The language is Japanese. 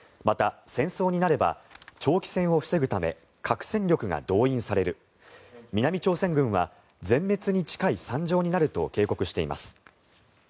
また、戦争になれば長期戦を防ぐため核戦力が動員される南朝鮮軍は全滅に近い惨状になると警告しています。